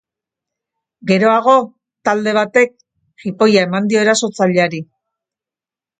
Geroago, talde batek jipoia eman dio erasotzaileari.